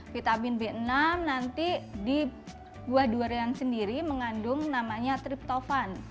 vitamin b enam nanti di buah durian sendiri mengandung namanya triptofan